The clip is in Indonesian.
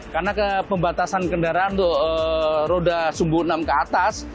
karena ke pembatasan kendaraan untuk roda sumbu enam ke atas